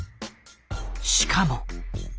しかも。